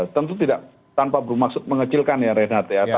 tentu tidak tanpa bermaksud mengecilkan ya renat ya